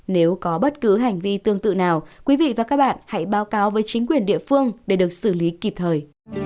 nếu có bất cứ hành vi tương tự nào quý vị và các bạn hãy báo cáo với chính quyền địa phương để được xử lý kịp thời